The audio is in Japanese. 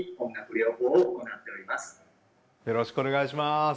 よろしくお願いします。